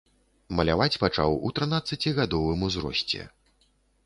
Маляваць пачаў у трынаццацігадовым узросце.